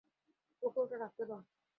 ওকে ওটা রাখতে দাও।